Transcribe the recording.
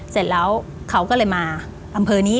เสร็จแล้วเขาก็เลยมาอำเภอนี้